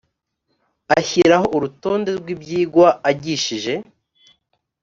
ashyiraho urutonde rw ibyigwa agishije